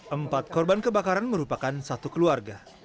empat korban kebakaran merupakan satu keluarga